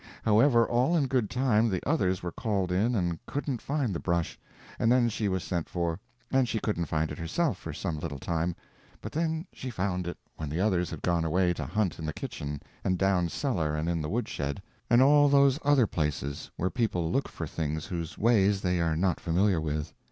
However, all in good time the others were called in and couldn't find the brush, and then she was sent for, and she couldn't find it herself for some little time; but then she found it when the others had gone away to hunt in the kitchen and down cellar and in the woodshed, and all those other places where people look for things whose ways they are not familiar with.